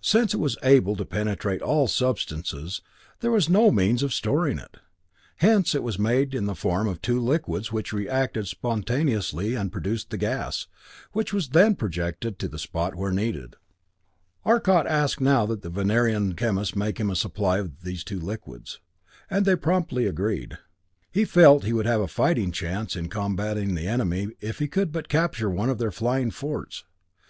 Since it was able to penetrate all substances, there was no means of storing it. Hence it was made in the form of two liquids which reacted spontaneously and produced the gas, which was then projected to the spot where needed. Arcot asked now that the Venerian chemists make him a supply of these two liquids; and they promptly agreed. He felt he would have a fighting chance in combatting the enemy if he could but capture one of their flying forts.